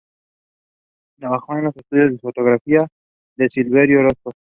Trabajó en el estudio de fotografía de Silverio Orozco.